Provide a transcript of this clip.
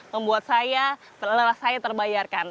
membuat saya terbayarkan